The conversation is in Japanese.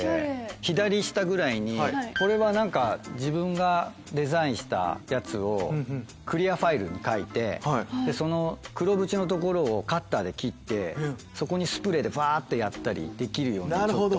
左下ぐらいにこれは何か自分がデザインしたやつをクリアファイルに描いてその黒縁の所をカッターで切ってそこにスプレーでバってやったりできるようにちょっと。